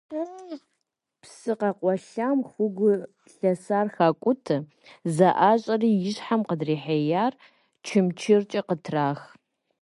Псы къэкъуалъэм хугу лъэсар хакIутэ, зэIащIэри и щхьэм къыдрихьеяр чымчыркIэ къытрах.